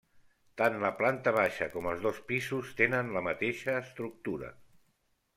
Tant la planta baixa com els dos pisos tenen la mateixa estructura.